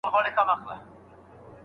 د ذهن په کاري سیسټم ځان پوه کړئ.